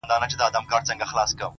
• نن د هر گل زړگى په وينو رنـــــگ دى؛